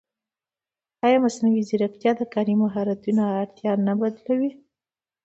ایا مصنوعي ځیرکتیا د کاري مهارتونو اړتیا نه بدله کوي؟